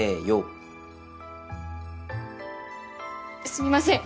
すみません！